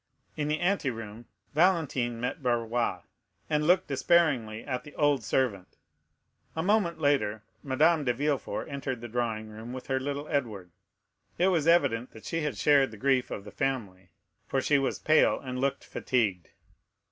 In the anteroom, Valentine met Barrois, and looked despairingly at the old servant. A moment later, Madame de Villefort entered the drawing room with her little Edward. It was evident that she had shared the grief of the family, for she was pale and looked fatigued.